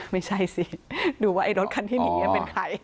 ไม่ใช่สิดูว่าไอ้รถคันที่หนีเป็นใคร